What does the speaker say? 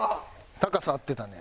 高さ合ってたね。